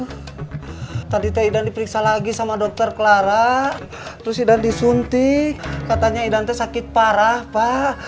aduh tadi teh idan diperiksa lagi sama dokter clara terus idan disuntik katanya idan teh sakit parah pak